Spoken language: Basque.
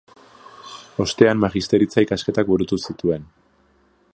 Ostean magisteritza ikasketak burutu zituen.